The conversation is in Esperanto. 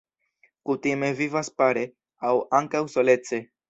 Kutime vivas pare, aŭ ankaŭ solece.